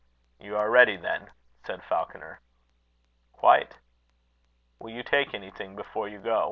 "You are ready, then?" said Falconer. "Quite." "Will you take anything before you go?